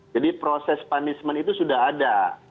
jadi proses punishment itu sudah ada